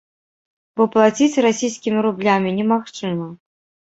Бо плаціць расійскімі рублямі немагчыма.